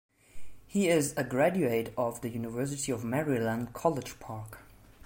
He is a graduate of the University of Maryland, College Park.